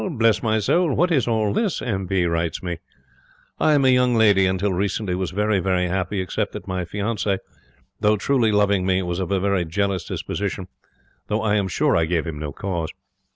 Bless my soul, what is all this? M. P. writes me: 'I am a young lady, and until recently was very, very happy, except that my fiance, though truly loving me, was of a very jealous disposition, though I am sure I gave him no cause.